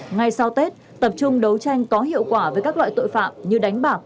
ngay sau tết tập trung đấu tranh có hiệu quả với các loại tội phạm như đánh bạc